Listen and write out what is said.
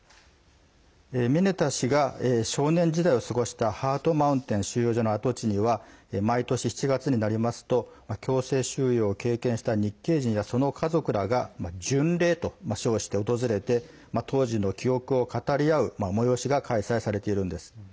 ミネタ氏が少年時代を過ごしたハートマウンテン収容所の跡地には毎年７月になりますと強制収容を経験した日系人やその家族らが巡礼と称して訪れて当時の記憶を語り合う催しが開催されているんです。